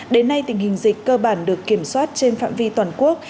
đến nay tình hình dịch cơ bản được kiểm soát trên phạm vi toàn quốc